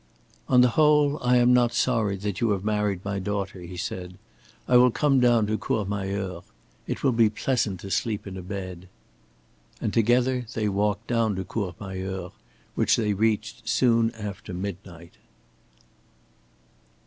"On the whole, I am not sorry that you have married my daughter," he said. "I will come down to Courmayeur. It will be pleasant to sleep in a bed." And together they walked down to Courmayeur, which they reached soon after midnight.